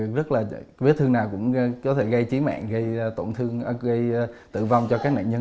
rất là vết thương nào cũng có thể gây trí mạng gây tổn thương gây tử vong cho các nạn nhân